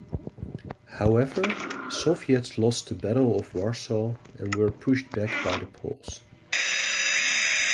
However, Soviets lost the Battle of Warsaw and were pushed back by the Poles.